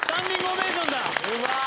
うまい！